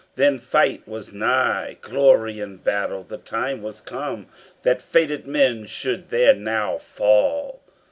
Then fight was nigh, Glory in battle; the time was come That fated men should there now fall.